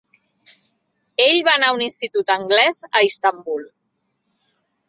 Ell va anar a un institut anglès a Istanbul.